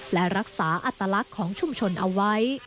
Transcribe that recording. และรักษาอัตลักษณ์ของชุมชนเอาไว้